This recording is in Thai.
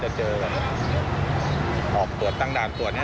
คือจะเป็นอย่างไรไม่ใช่ด้วย